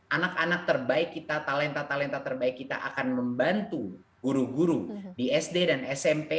anak anak terbaik kita talenta talenta terbaik kita akan membantu guru guru di sd dan smp